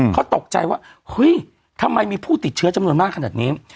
เขาตกใจว่าเฮ้ยทำไมมีผู้ติดเชื้อจำนวนมากขนาดนี้